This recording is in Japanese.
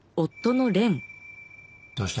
どうした？